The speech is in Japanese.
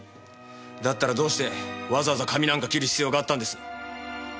だったらどうしてわざわざ髪なんか切る必要があったんです？